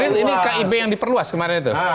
ini kib yang diperluas kemarin itu